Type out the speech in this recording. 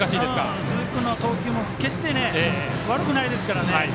鈴木君の投球も決して悪くないですからね。